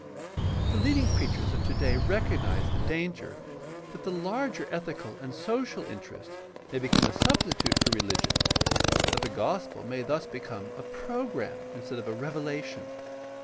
— ^The lead ing preachers of today recognize the danger that the larger ethical and social interest may become a substitute for reli gion, and that the gospel may thus become a program instead of a revelation.